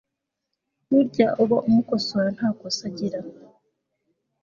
burya uba umukosora ntakosa agira